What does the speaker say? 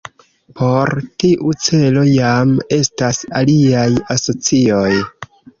Por tiu celo jam estas aliaj asocioj.